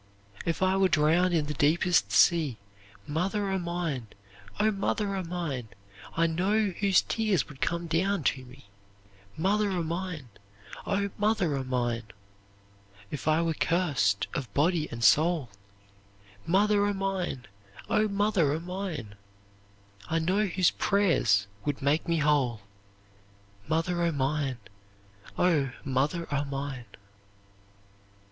"'If I were drowned in the deepest sea, Mother o' mine, O mother o' mine! I know whose tears would come down to me, Mother o' mine, O mother o' mine! "'If I were cursed of body and soul, Mother o' mine, O mother o' mine! I know whose prayer's would make me whole! Mother o' mine, O mother o' mine!'"